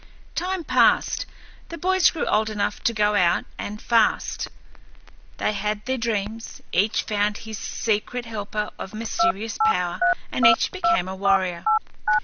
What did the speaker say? Time passed. The boys grew old enough to go out and fast. They had their dreams. Each found his secret helper of mysterious power, and each became a warrior.